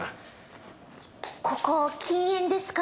ここ禁煙ですから。